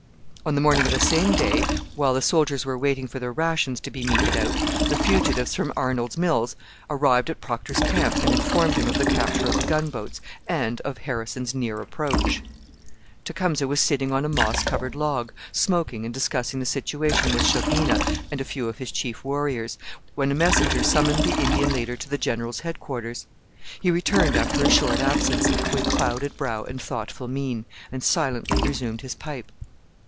On the morning of the same day, while the soldiers were waiting for their rations to be meted out, the fugitives from Arnold's Mills arrived at Procter's camp and informed him of the capture of the gunboats and of Harrison's near approach. Tecumseh was sitting on a moss covered log, smoking and discussing the situation with Shaubena and a few of his chief warriors, when a messenger summoned the Indian leader to the general's headquarters. He returned after a short absence, with clouded brow and thoughtful mien, and silently resumed his pipe.